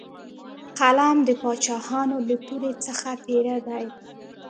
قلم د باچاهانو له تورې څخه تېره دی.